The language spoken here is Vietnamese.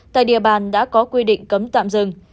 tại địa bàn đã có quy định cấm tạm dừng